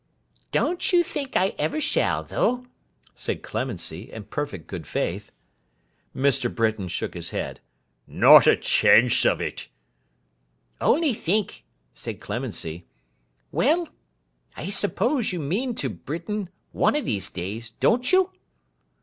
'Don't you think I ever shall though?' said Clemency, in perfect good faith. Mr. Britain shook his head. 'Not a chance of it!' 'Only think!' said Clemency. 'Well!—I suppose you mean to, Britain, one of these days; don't you?